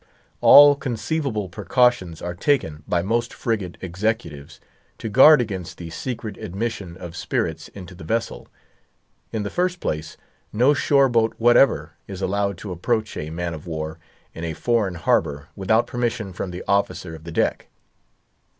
All conceivable precautions are taken by most frigate executives to guard against the secret admission of spirits into the vessel. In the first place, no shore boat whatever is allowed to approach a man of war in a foreign harbour without permission from the officer of the deck.